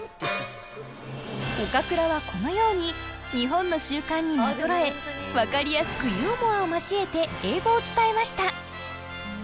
岡倉はこのように日本の習慣になぞらえ分かりやすくユーモアを交えて英語を伝えました。